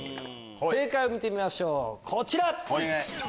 正解を見てみましょうこちら！